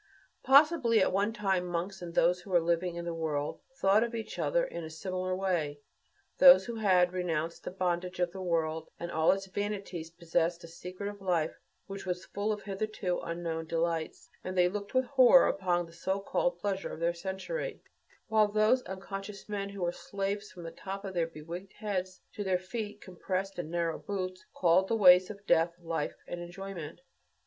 Possibly, at one time, monks and those who were living in the world thought of each other in a similar way. Those who had renounced the bondage of the world and all its vanities possessed a secret of life which was full of hitherto unknown delights, and they looked with horror upon the so called pleasure of their century; while those unconscious men who were slaves from the tops of their be wigged heads to their feet compressed in narrow boots, called the ways of death "life and enjoyment."